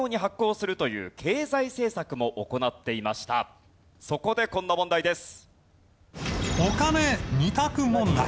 実は綱吉そこでこんな問題です。